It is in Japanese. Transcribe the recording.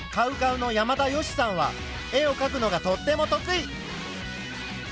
ＣＯＷＣＯＷの山田善しさんは絵をかくのがとっても得意。